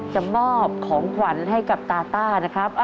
จะมอบของขวัญให้กับตาต้านะครับ